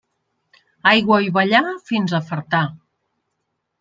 Aigua i ballar, fins a fartar.